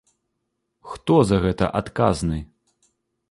Хто за гэта адказны?